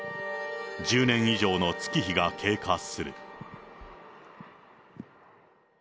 １０年以上の月日が経過する。